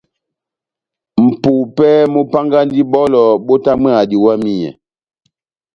Mʼpupɛ múpángandi bɔlɔ bótamwaha diwamiyɛ.